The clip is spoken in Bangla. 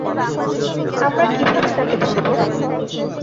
আমরা কিভাবে তাকে ধরবো?